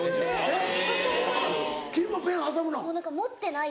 えっ？